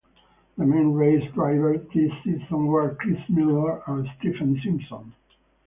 The main race drivers this season were Chris Miller and Stephen Simpson.